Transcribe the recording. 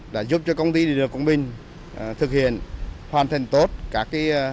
đã giúp cho công ty điện lực quảng bình thực hiện hoàn thành tốt các nhiệm vụ